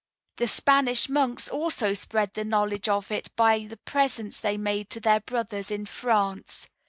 The Spanish monks also spread the knowledge of it by the presents they made to their brothers in France.